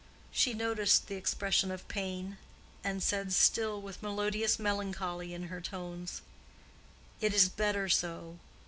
She noticed the expression of pain, and said, still with melodious melancholy in her tones, "It is better so.